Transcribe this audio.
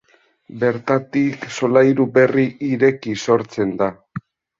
Bertatik solairu berri ireki sortzen da.